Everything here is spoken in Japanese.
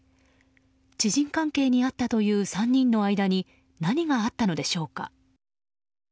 知人関係にあったという３人の間に何があったのでしょうか。